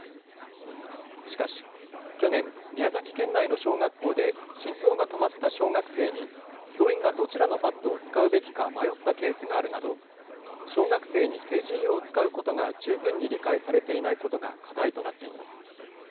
しかし去年、宮崎県内の小学校で心臓が止まった小学生に教員がどちらのパッドを使うべきか迷ったケースがあるなど、小学生に成人用を使うことが十分に理解されていないことが課題となっています。